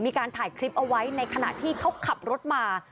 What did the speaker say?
มีการถ่ายคลิปเอาไว้ในขณะที่เขาขับรถมา